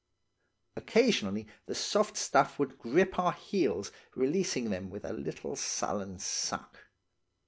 Occasionally the soft stuff would grip our heels, releasing them with a little sullen suck.